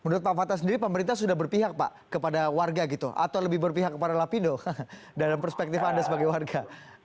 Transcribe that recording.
menurut pak fatah sendiri pemerintah sudah berpihak pak kepada warga gitu atau lebih berpihak kepada lapindo dalam perspektif anda sebagai warga